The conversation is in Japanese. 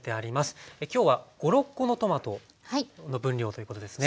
今日は５６コのトマトの分量ということですね。